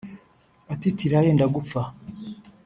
atitira yenda gupfa